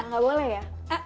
gak boleh ya